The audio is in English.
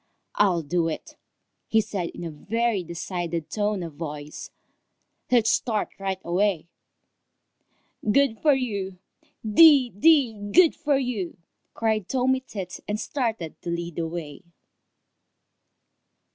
"I'll do it!" said he in a very decided tone of voice. "Let's start right away." "Good for you! Dee, dee, good for you!" cried Tommy Tit, and started to lead the way.